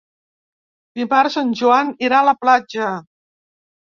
Dimarts en Joan irà a la platja.